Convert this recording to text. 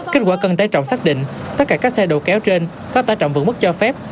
kết quả cân tài trọng xác định tất cả các xe đầu kéo trên có tài trọng vững mức cho phép